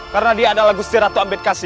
karena dia adalah gusti ratu ambedkasi